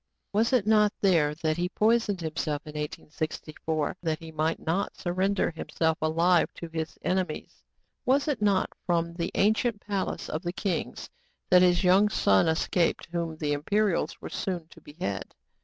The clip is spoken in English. ^ Was it not there that he poisoned himself in 1864, that he might not surrender himself alive to his enemies ? Was it not from the ancient palace of the kings that his young son escaped, whom the Imperials were soon to behead